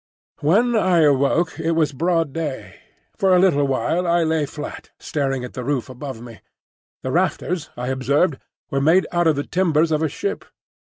When I awoke, it was broad day. For a little while I lay flat, staring at the roof above me. The rafters, I observed, were made out of the timbers of a ship.